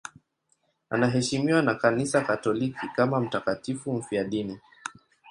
Anaheshimiwa na Kanisa Katoliki kama mtakatifu mfiadini.